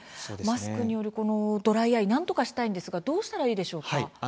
マスクによるドライアイ何とかしたいんですがどうしたらいいでしょうか。